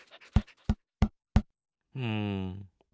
うん。